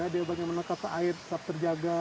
dia banyak menetapkan air tetap terjaga